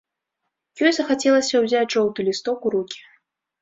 Ёй захацелася ўзяць жоўты лісток у рукі.